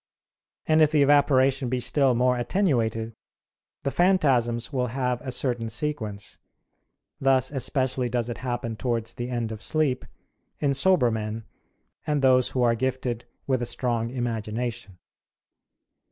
And if the evaporation be still more attenuated, the phantasms will have a certain sequence: thus especially does it happen towards the end of sleep in sober men and those who are gifted with a strong imagination.